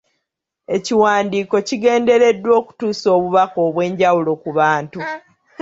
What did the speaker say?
Ekiwandiiko kigendereddwa okutuusa obubaka obw’enjawulo ku bantu.